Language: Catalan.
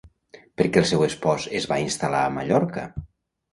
Per què el seu espòs es va instal·lar a Mallorca?